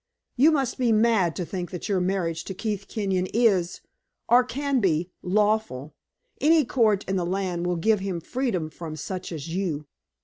You must be mad to think that your marriage to Keith Kenyon is, or can be, lawful. Any court in the land will give him freedom from such as you."